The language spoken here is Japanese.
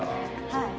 はい。